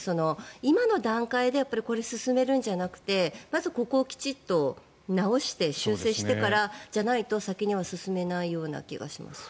今の段階でこれを進めるのではなくてまずここをきちんと直して修正してからじゃないと先には進めないような気がします。